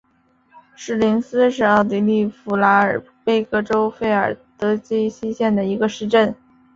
施林斯是奥地利福拉尔贝格州费尔德基希县的一个市镇。